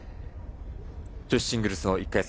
女子シングルスの１回戦